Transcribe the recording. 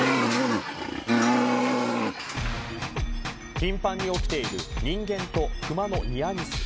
頻繁に起きている人間と熊のニアミス。